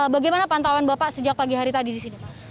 bagaimana pantauan bapak sejak pagi hari tadi di sini pak